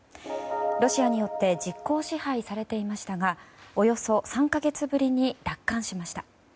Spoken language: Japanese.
ロシアによって実効支配されていましたがおよそ３か月ぶりに奪還しました。